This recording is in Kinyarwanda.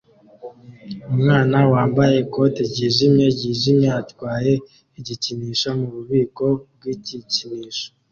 Umwana wambaye ikote ryijimye ryijimye atwaye igikinisho mububiko bw igikinisho